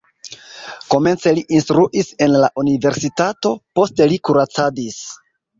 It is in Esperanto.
Komence li instruis en la universitato, poste li kuracadis.